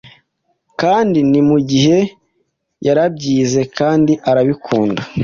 kandi ni mugihe yarabyize kandi arabikunda,